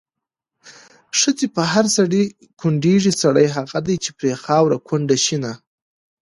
ښځه په هر سړي کونډيږي، سړی هغه دی چې پرې خاوره کونډه شينه